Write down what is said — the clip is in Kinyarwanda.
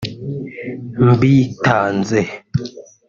mbitanze